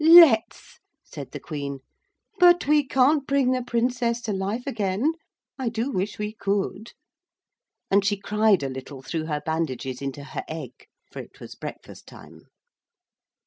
'Let's,' said the Queen, 'but we can't bring the Princess to life again. I do wish we could,' and she cried a little through her bandages into her egg, for it was breakfast time.